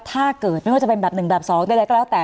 ถ้าเกิดไม่ว่าจะเป็นแบบหนึ่งแบบสองได้ได้ก็แล้วแต่